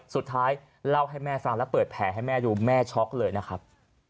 สุดท้ายเล่าให้แม่ฟังและเปิดแผลให้แม่ดูแม่ช็อกเลยนะครับ